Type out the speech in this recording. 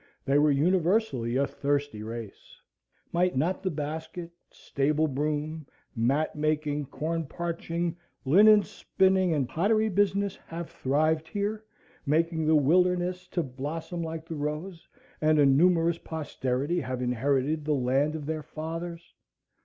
They were universally a thirsty race. Might not the basket, stable broom, mat making, corn parching, linen spinning, and pottery business have thrived here, making the wilderness to blossom like the rose, and a numerous posterity have inherited the land of their fathers?